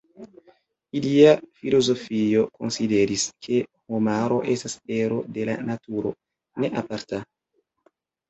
Ilia filozofio konsideris, ke homaro estas ero de la naturo, ne aparta.